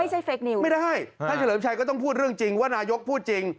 เฟคนิวไม่ได้ท่านเฉลิมชัยก็ต้องพูดเรื่องจริงว่านายกพูดจริง